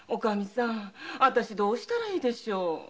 私どうしたらいいでしょう？